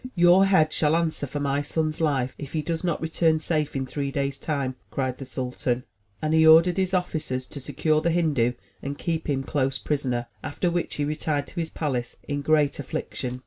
'* "Your head shall answer for my son's life, if he does not return safe in three days' time," cried the sultan, and he ordered his officers to secure the Hindu and keep him close prisoner; after which he retired to his palace in great affliction.